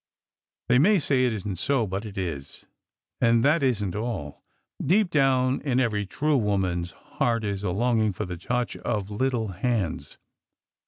They may say it is n't so, but it is. And that is n't all. Deep down in every true woman's heart is a longing for the touch of little hands.